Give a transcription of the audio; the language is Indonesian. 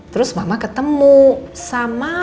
terus mama ketemu sama